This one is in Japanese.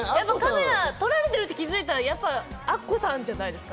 取られてるって気づいたら、アッコさんじゃないですか。